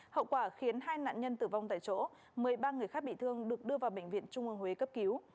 hậu quả khiến hai nạn nhân tử vong tại chỗ một mươi ba người khác bị thương được đưa vào bệnh viện trung ương huế cấp cứu